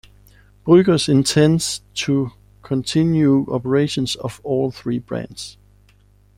Bruegger's intends to continue operations of all three brands.